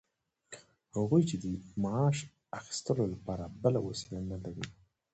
هغوی چې د معاش اخیستلو لپاره بله وسیله نلري